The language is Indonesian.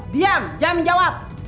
diam jangan menjawab